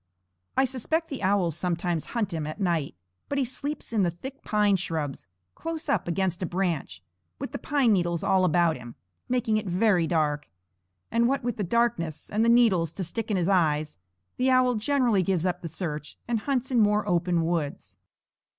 I suspect the owls sometimes hunt him at night; but he sleeps in the thick pine shrubs, close up against a branch, with the pine needles all about him, making it very dark; and what with the darkness, and the needles to stick in his eyes, the owl generally gives up the search and hunts in more open woods.